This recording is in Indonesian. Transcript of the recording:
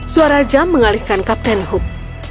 suara jam mengalihkan kapten hoop